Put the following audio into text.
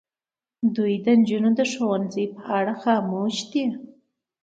دوی د نجونو د ښوونځي په اړه خاموش دي.